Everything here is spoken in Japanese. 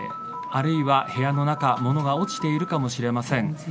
あるいは部屋の中物が落ちているかもしれません。